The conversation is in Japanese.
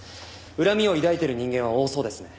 恨みを抱いている人間は多そうですね。